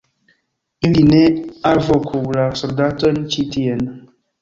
ili ne alvoku la soldatojn ĉi tien!